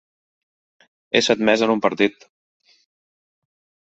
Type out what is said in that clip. Ésser admès en un partit.